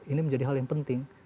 ini menjadi hal yang penting